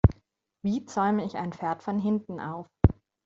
Wie zäume ich ein Pferd von hinten auf?